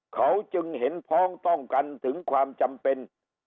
เขาจึงเห็นพ้องต้องกันถึงความจำเป็น